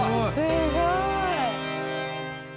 すごい！